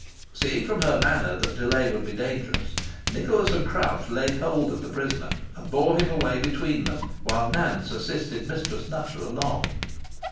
Seeing from her manner that delay would be dangerous, Nicholas and Crouch laid hold of the prisoner and bore him away between them, while Nance assisted Mistress Nutter along.